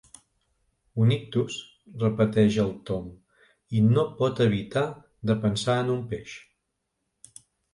Un ictus —repeteix el Tom, i no pot evitar de pensar en un peix.